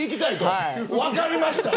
分かりました。